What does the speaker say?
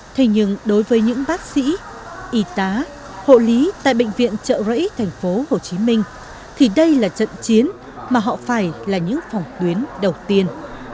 thế nhưng đối với những bác sĩ y tá hộ lý tại bệnh viện trợ rẫy tp hcm thì đây là trận chiến mà họ phải là những phòng tuyến đầu tiên